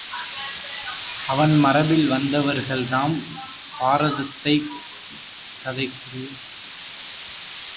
அவன் மரபில் வந்தவர்கள்தாம் பாரதக் கதைக்குரிய பாண்டவர்களும் கவுரவர்களும் ஆவர். பாண்டுவின் மைந்தன் பாண்டவர்கள் எனப்பட்டனர்.